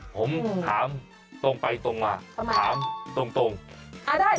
ผมถามตรงไปตรงมาถามตรง